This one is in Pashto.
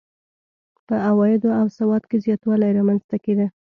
په عوایدو او سواد کې زیاتوالی رامنځته کېده.